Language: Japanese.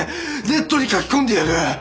ネットに書き込んでやる！